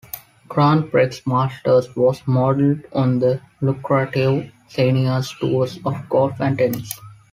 Grand Prix Masters was modeled on the lucrative seniors tours of golf and tennis.